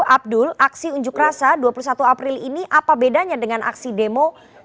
abdul aksi unjuk rasa dua puluh satu april ini apa bedanya dengan aksi demo